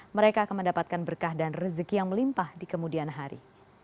mereka akan mendapatkan berkah dan rezeki yang melimpah di kemudian hari